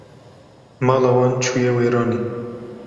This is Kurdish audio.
Mala wan çû ye wêranê